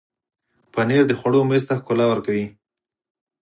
پنېر د خوړو میز ته ښکلا ورکوي.